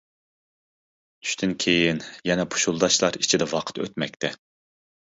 چۈشتىن كېيىن يەنە پۇشۇلداشلار ئىچىدە ۋاقىت ئۆتمەكتە.